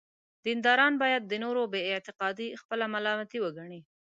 دینداران باید د نورو بې اعتقادي خپله ملامتي وګڼي.